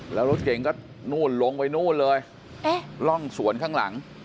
แล้วรถเก่งก็นู่นลงไปนู่นเลยเอ๊ะร่องสวนข้างหลัง